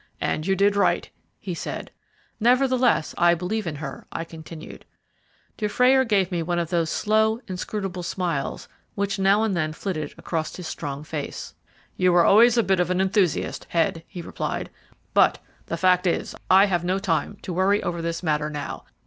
"And you did right," he said. "Nevertheless, I believe in her," I continued. Dutrayer gave me one of those slow, inscrutable smiles which now and then flitted across his strong face. "You were always a bit of an enthusiast, Head," he replied, "but the fact is, I have no time to worry over this matter now.